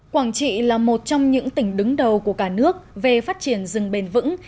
quảng trị là một trong những tỉnh đứng đầu của cả nước về phát triển rừng bền vững